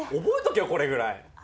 覚えとけよこれぐらい。